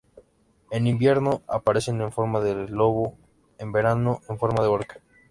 En invierno, aparecen en forma de lobo, en verano, en forma de orca.